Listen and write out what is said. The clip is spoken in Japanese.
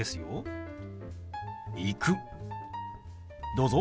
どうぞ。